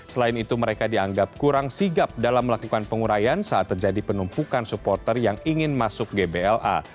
selain itu mereka dianggap kurang sigap dalam melakukan pengurayan saat terjadi penumpukan supporter yang ingin masuk gbla